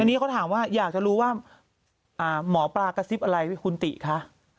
อันนี้เขาถามว่าอยากจะรู้ว่าหมอปลากระซิบอะไรคุณติคะ